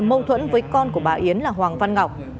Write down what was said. mâu thuẫn với con của bà yến là hoàng văn ngọc